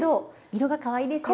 色がかわいいですよね。